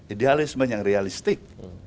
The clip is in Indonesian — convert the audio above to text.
idealisme yang realistik